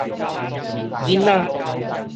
囡仔